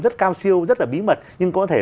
rất cao siêu rất là bí mật nhưng có thể